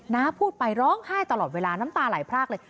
น้าพูดไปร้องไห้ตลอดเวลาน้ำตาไหลพรากเลย